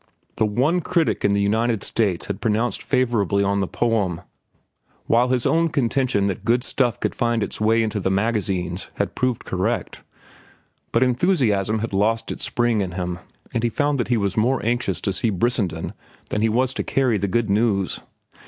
The one critic in the United States had pronounced favorably on the poem, while his own contention that good stuff could find its way into the magazines had proved correct. But enthusiasm had lost its spring in him, and he found that he was more anxious to see Brissenden than he was to carry the good news.